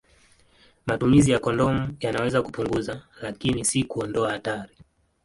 Matumizi ya kondomu yanaweza kupunguza, lakini si kuondoa hatari.